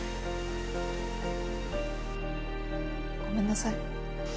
ごめんなさい。